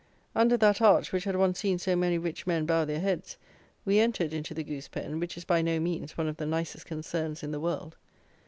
Under that arch which had once seen so many rich men bow their heads, we entered into the goose pen, which is by no means one of the nicest concerns in the world.